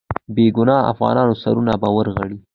بې ګناه افغانانو سرونه به ورغړي.